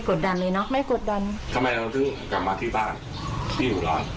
กดดันเลยนะไม่กดดันทำไมเราถึงกลับมาที่บ้านบ้านแล้ว